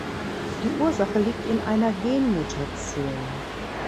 Die Ursache liegt in einer Genmutation.